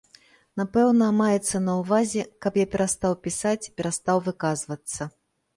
Напэўна, маецца на ўвазе, каб я перастаў пісаць, перастаў выказвацца.